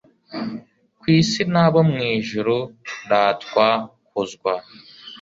ku isi n'abo mu ijuru, ratwa kuzwa